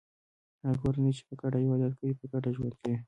هغه کورنۍ چې په ګډه عبادت کوي په ګډه ژوند کوي.